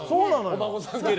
お孫さんが。